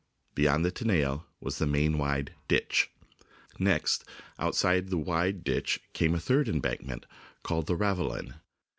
Beyond the tenaille was the main wide " ditch." Next, outside the wide ditch, came a third embankment, called the " ravelin."